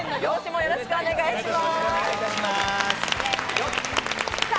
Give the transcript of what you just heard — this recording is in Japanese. よろしくお願いします。